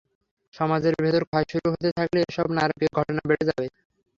সমাজের ভেতর ক্ষয় শুরু হতে থাকলে এসব নারকীয় ঘটনা বেড়ে যায়।